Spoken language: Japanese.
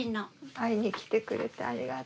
会いに来てくれてありがとう。